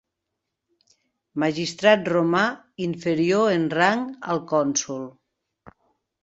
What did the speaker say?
Magistrat romà inferior en rang al cònsol.